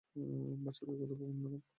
বাচ্চাদের কথা ভাবুন, ম্যাডাম।